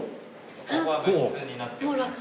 ここが部室になっておりまして。